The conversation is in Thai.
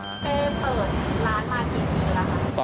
เจอเปิดร้านมาปี๒๑แล้วครับ